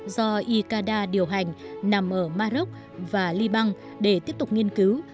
do ica ada điều hành nằm ở maroc và liban để tiếp tục nghiên cứu